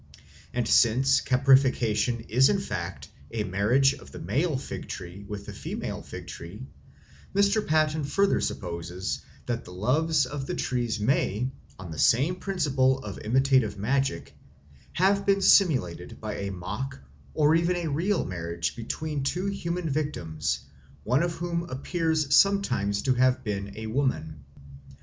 And since caprification is in fact a marriage of the male fig tree with the female fig tree, Mr. Paton further supposes that the loves of the trees may, on the same principle of imitative magic, have been simulated by a mock or even a real marriage between the two human victims, one of whom appears sometimes to have been a woman.